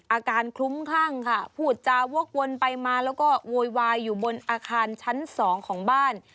คลุ้มคลั่งค่ะพูดจาวกวนไปมาแล้วก็โวยวายอยู่บนอาคารชั้นสองของบ้าน